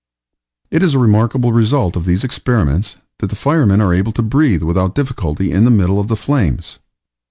It is a remarkable result of these experiments, that the firemen are able to breathe without difficulty in the middle of the flames.